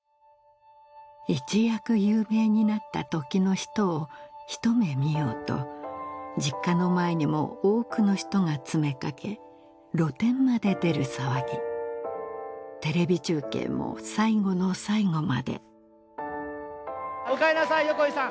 一躍有名になった時の人を一目見ようと実家の前にも多くの人が詰めかけ露店まで出る騒ぎテレビ中継も最後の最後まで・お帰りなさい横井さん